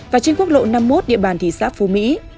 và trên quốc lộ năm mươi một địa bàn thị xã phú mỹ